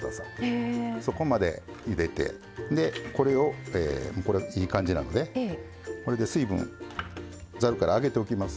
そこまでゆでてでこれをこれいい感じなのでこれで水分ざるから上げておきます。